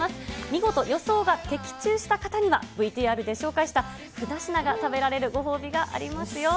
見事予想が的中した方には、ＶＴＲで紹介した２品が食べられるご褒美がありますよ。